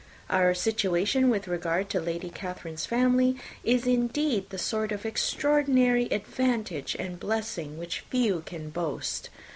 Our situation with regard to Lady Catherine's family is, indeed, the sort of extraordinary advantage and blessing which few can boast.